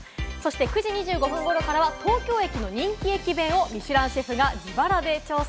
９時２５分頃からは東京駅の人気駅弁をミシュランシェフが自腹で調査。